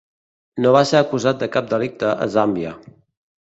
No va ser acusat de cap delicte a Zàmbia.